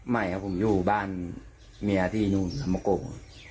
ไม่ครับผมอยู่บ้านเมียที่นู่นสมโก